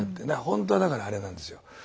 本当はだからあれなんですよ。